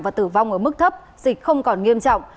và tử vong ở mức thấp dịch không còn nghiêm trọng